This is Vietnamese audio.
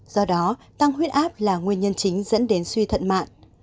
do đó tăng huyết áp là nguyên nhân chính dẫn đến suy thận mạng